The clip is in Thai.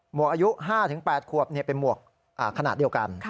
วกอายุ๕๘ขวบเป็นหมวกขนาดเดียวกัน